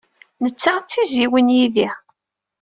Netta d tizzyiwin yid-i.